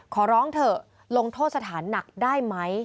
ขอร้องเถอะลงโทษสถานหนักได้ไหม